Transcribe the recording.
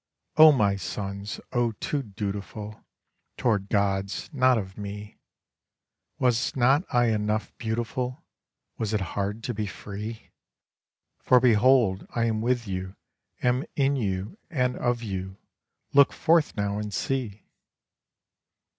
O my sons, O too dutiful Toward Gods not of me, Was not I enough beautiful? Was it hard to be free? For behold, I am with you, am in you and of you; look forth now and see.